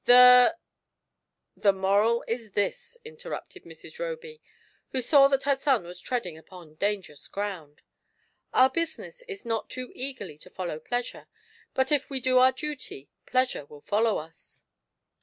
The "— "The moral is this," interrupted Mrs. Roby, who saw that her son was treading upon dangerous ground :" Our business is not too eagerly to follow pleasure, but if we do our duty pleasure will follow us.